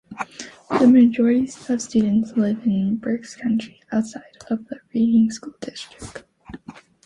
The majority of students lived in Berks County, outside of the Reading School District.